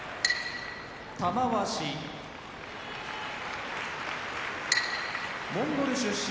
玉鷲モンゴル出身